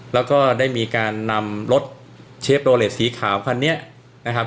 แล้วก็ได้มีการนำรถเชฟโรเลสสีขาวคันนี้นะครับ